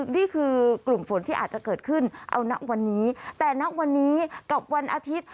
นี่คือกลุ่มฝนที่อาจจะเกิดขึ้นเอาณวันนี้แต่ณวันนี้กับวันอาทิตย์